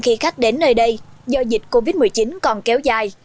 khi khách đến nơi đây do dịch covid một mươi chín còn kéo dài